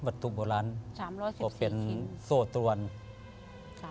บัตถุโบราณก็เป็นโซ่ตรวรรค์